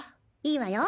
いいわよ。